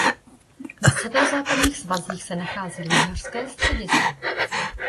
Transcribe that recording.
Na severozápadních svazích se nachází lyžařské středisko.